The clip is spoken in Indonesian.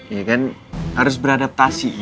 ya kan harus beradaptasi